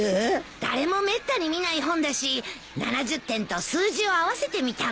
誰もめったに見ない本だし７０点と数字を合わせてみたんだ。